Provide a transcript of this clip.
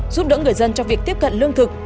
giúp đỡ người dân trong việc tiếp cận lương thực